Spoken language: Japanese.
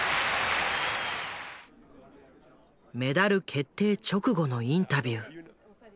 メダル決定直後のインタビュー。